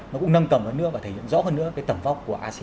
nó cũng nâng cầm hơn nữa và thể hiện rõ hơn nữa cái tầm bóc của asean